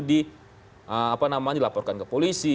dilaporkan ke polisi